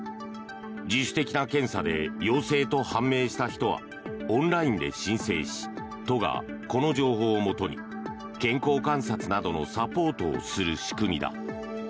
自主的な検査で陽性と判明した人はオンラインで申請し都がこの情報をもとに健康観察などのサポートをする仕組みだ。